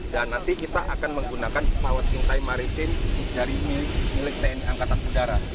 dan nanti kita akan menggunakan pesawat kintai maritim dari milik tni angkatan udara